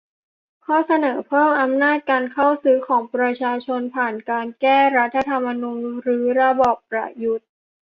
ข้อเสนอเพิ่มอำนาจการ "เข้าชื่อ" ของประชาชน ผ่านการ แก้รัฐธรรมนูญ รื้อระบอบประยุทธ์